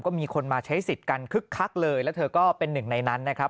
ก็มีคนมาใช้สิทธิ์กันคึกคักเลยแล้วเธอก็เป็นหนึ่งในนั้นนะครับ